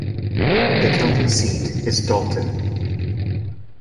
The county seat is Dalton.